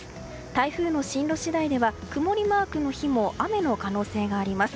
台風の進路次第では曇りマークの日も雨の可能性があります。